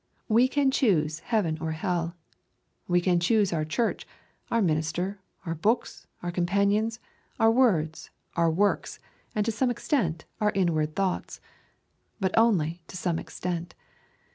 We can choose heaven or hell. We can choose our church, our minister, our books, our companions, our words, our works, and, to some extent, our inward thoughts, but only to some extent.